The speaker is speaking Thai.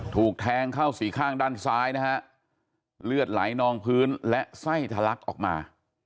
ถูกแทงเข้าสี่ข้างด้านซ้ายนะฮะเลือดไหลนองพื้นและไส้ทะลักออกมา